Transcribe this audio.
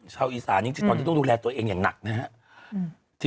ชาวอีสานจริงตอนนี้ต้องดูแลตัวเองอย่างหนักนะครับ